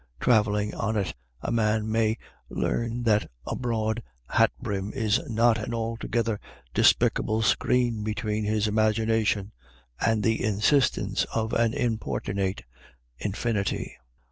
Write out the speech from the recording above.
Travelling on it, a man may learn that a broad hat brjm is not an altogether despicable screen between fife imagination and the insistence of an importunate infinity.